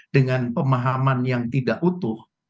dengan pemahaman yang tidak utuh